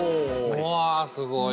うわすごい。